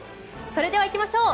それではいきましょう。